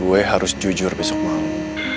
gue harus jujur besok mau